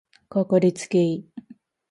かかりつけ医